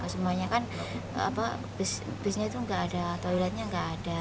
semuanya kan busnya itu enggak ada toiletnya enggak ada